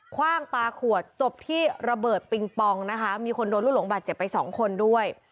คว่างปลาขวดจบที่ระเบิดปิงปองนะคะมีคนโดนลูกหลงบาดเจ็บไปสองคนด้วย